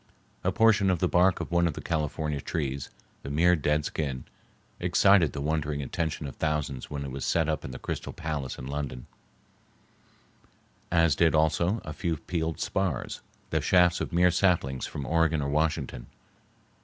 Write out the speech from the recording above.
A portion of the bark of one of the California trees, the mere dead skin, excited the wondering attention of thousands when it was set up in the Crystal Palace in London, as did also a few peeled spars, the shafts of mere saplings from Oregon or Washington.